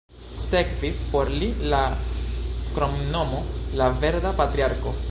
Sekvis por li la kromnomo "la Verda Patriarko".